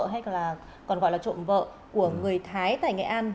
hay là còn gọi là trộm vợ của người thái tại nghệ an